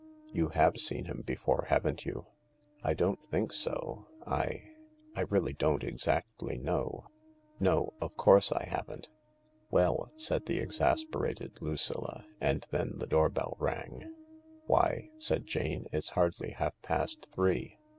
You have seen him before, haven't you ?" I don't think so. ... I ... I really don't exactly know. No ... of course I haven't." E 66 THE LARK "Weill" said the exasperated Lucilla, and then the doorbell rang. " Why," said Jane, " it's hardly half past three